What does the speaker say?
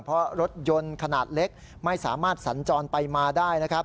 เพราะรถยนต์ขนาดเล็กไม่สามารถสัญจรไปมาได้นะครับ